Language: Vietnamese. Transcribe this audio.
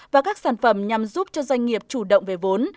và các sản phẩm nhằm giúp cho doanh nghiệp chủ động về vốn